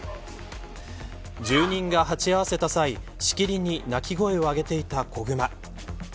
住人が鉢合わせした際しきりに鳴き声をあげていた子グマ。